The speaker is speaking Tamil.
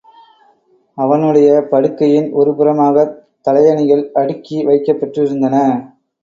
அவனுடைய படுக்கையின் ஒரு புறமாகத் தலையணிகள் அடுக்கி வைக்கப்பெற்றிருந்தன.